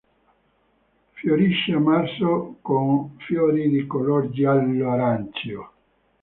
Fiorisce a marzo con fiori di color giallo-arancio.